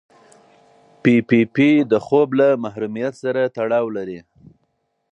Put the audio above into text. پي پي پي د خوب له محرومیت سره تړاو لري.